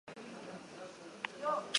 Ez du garaipenik lortu bere ibilbidean.